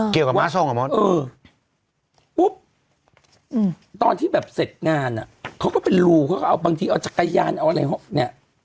เกี่ยวกับหมาโทรงหรอโมน